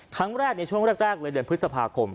ครั้งแรกในช่วงแรกเลยเดือนพฤษภาคม